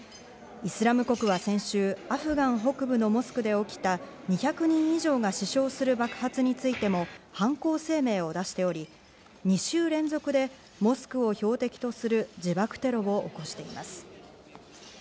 イスラム国は先週、アフガン北部のモスクで起きた２００人以上が死傷する爆発についても犯行声明を出しており、２週連続でモスクを標的とする自爆テロを起こしています。